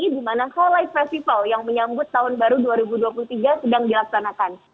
di mana highlight festival yang menyambut tahun baru dua ribu dua puluh tiga sedang dilaksanakan